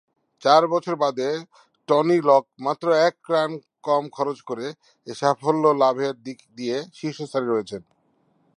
চার বছর বাদে টনি লক মাত্র এক রান কম খরচ করে এ সাফল্য লাভের দিক দিয়ে শীর্ষস্থানে রয়েছেন।